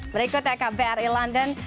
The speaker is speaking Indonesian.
berikutnya kbri london